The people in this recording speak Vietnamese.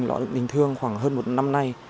lọ được tình thương khoảng hơn một năm nay